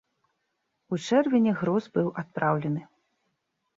У чэрвені груз быў адпраўлены.